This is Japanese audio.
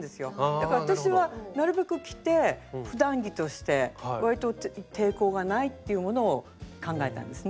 だから私はなるべく着てふだん着としてわりと抵抗がないっていうものを考えたんですね。